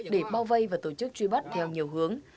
để bao vây và tổ chức truy bắt theo nhiều hướng